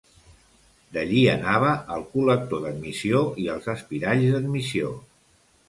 D’allí anava al col·lector d’admissió i als espiralls d’admissió.